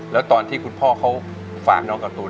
แล้วตอนที่คุณพ่อเขาฝากน้องการ์ตูน